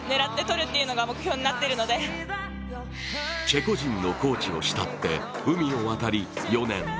チェコ人のコーチを慕って海を渡り４年。